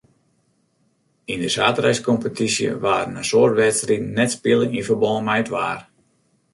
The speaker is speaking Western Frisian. Yn de saterdeiskompetysje waarden in soad wedstriden net spile yn ferbân mei it waar.